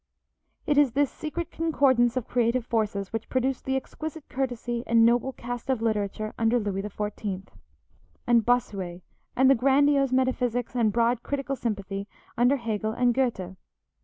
It is this secret concordance of creative forces which produced the exquisite courtesy and noble cast of literature under Louis XIV. and Bossuet, and the grandiose metaphysics and broad critical sympathy under Hegel and Goethe.